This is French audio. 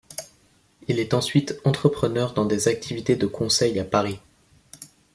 Il est ensuite entrepreneur dans des activités de conseil à Paris.